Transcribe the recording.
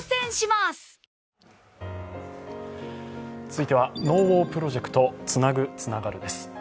続いては「ＮＯＷＡＲプロジェクトつなぐ、つながる」です。